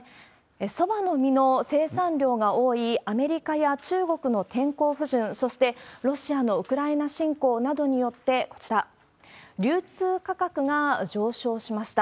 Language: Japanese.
ソバの実の生産量が多いアメリカや中国の天候不順、そしてロシアのウクライナ侵攻などによって、こちら、流通価格が上昇しました。